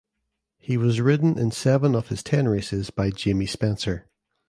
He was ridden in seven of his ten races by Jamie Spencer.